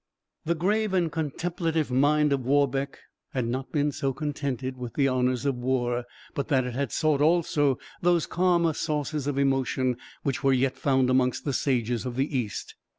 The grave and contemplative mind of Warbeck had not been so contented with the honours of war, but that it had sought also those calmer sources of emotion which were yet found amongst the sages of the East.